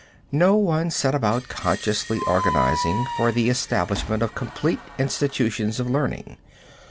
No one set about consciously organizing for the establishment of complete institutions of learning.